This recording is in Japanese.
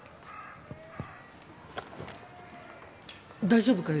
大丈夫か？